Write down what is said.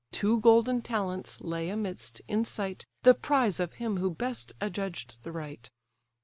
Two golden talents lay amidst, in sight, The prize of him who best adjudged the right.